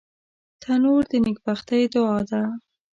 تنور د نیکبختۍ دعا ده